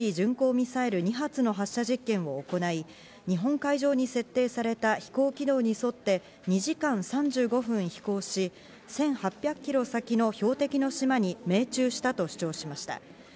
また今週火曜日には長距離巡航ミサイル２発の発射実験を行い、日本海上に設定された飛行軌道に沿って、２時間３５分飛行し、１８００キロ先の標的の島に命中したと主張しました。